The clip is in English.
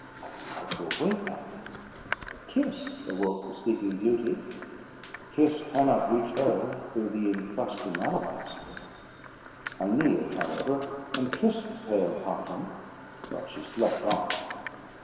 But how to awake her? A kiss awoke the Sleeping Beauty! a kiss cannot reach her through the incrusting alabaster." I kneeled, however, and kissed the pale coffin; but she slept on.